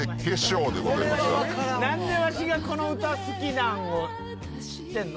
何でわしがこの歌好きなんを知ってんの？